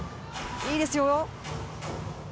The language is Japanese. いいですよ。